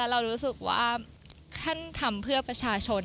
เรารู้สึกว่าท่านทำเพื่อประชาชน